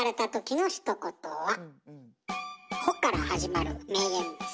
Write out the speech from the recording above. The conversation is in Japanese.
「ほ」から始まる名言です。